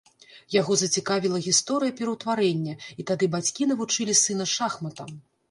Яго зацікавіла гісторыя пераўтварэння, і тады бацькі навучылі сына шахматам.